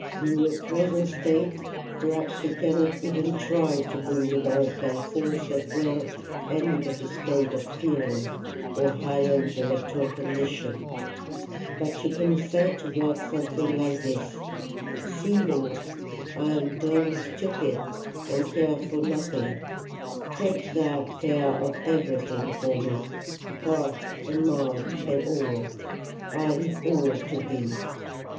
In your present state perhaps you cannot even try to bring about by force of will any better state of feeling or higher intellectual condition; but you can say to God something like this: 'See, Lord, I am dull and stupid, and care for nothing: take thou care of everything for me, heart and mind and all. I leave all to thee.